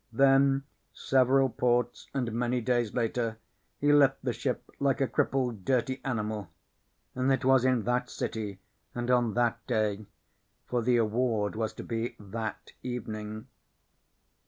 Then, several ports and many days later, he left the ship like a crippled, dirty animal. And it was in That City and on That Day. For the award was to be that evening.